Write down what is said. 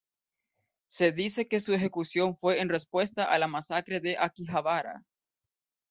Se dice que su ejecución fue en respuesta a la masacre de Akihabara.